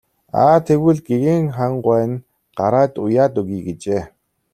Аа тэгвэл гэгээн хаан гуай нь гараад уяад өгье гэжээ.